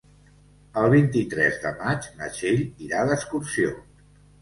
El vint-i-tres de maig na Txell irà d'excursió.